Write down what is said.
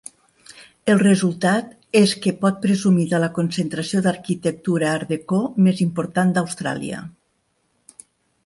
El resultat és que pot presumir de la concentració d'arquitectura Art Deco més important d'Austràlia.